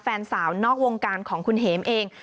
แฟนสาวนอกวงการของคุณเห็มเอง